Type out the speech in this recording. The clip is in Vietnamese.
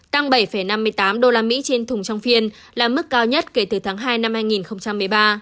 tăng bảy năm mươi tám usd trên thùng trong phiên là mức cao nhất kể từ tháng hai năm hai nghìn một mươi ba